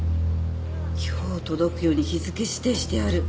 今日届くように日付指定してある。